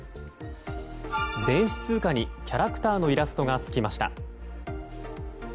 電子通貨にキャラクターのイラストがつきました。